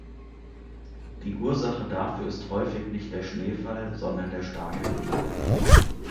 Die Ursache dafür ist häufig nicht der Schneefall, sondern der starke Wind.